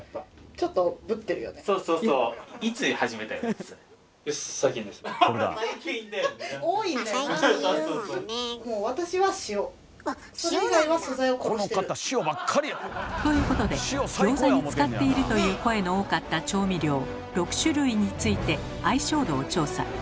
ちょっとということでギョーザに使っているという声の多かった調味料６種類について相性度を調査。